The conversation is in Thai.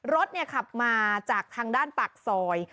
รถขับมาจากทางด้านปากซอย